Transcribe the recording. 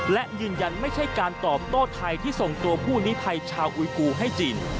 และยืนยันไม่ใช่การตอบโต้ไทยที่ส่งตัวผู้ลิภัยชาวอุยกูให้จีน